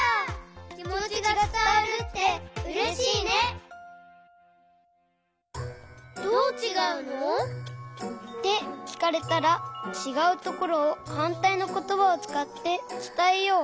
きもちがつたわるってうれしいね！ってきかれたらちがうところをはんたいのことばをつかってつたえよう！